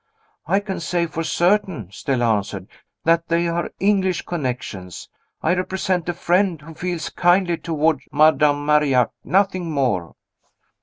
"I can say for certain," Stella answered, "that they are English connections. I represent a friend who feels kindly toward Madame Marillac; nothing more."